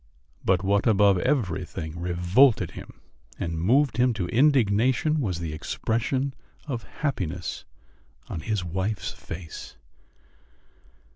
But what above everything revolted him and moved him to indignation was the expression of happiness on his wife's face.